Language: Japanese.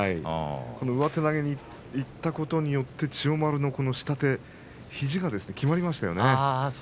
上手投げにいったことによって千代丸の下手肘がきまりました。